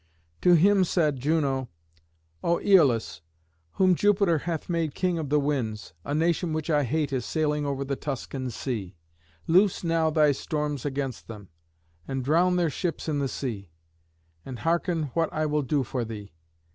To him said Juno, "O Æolus, whom Jupiter hath made king of the winds, a nation which I hate is sailing over the Tuscan sea. Loose now thy storms against them, and drown their ships in the sea. And hearken what I will do for thee.